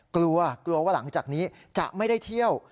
กลัวกลัวว่าหลังจากนี้จะไม่ได้เที่ยว